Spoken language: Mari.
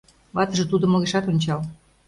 Ватыже тудым огешат ончал.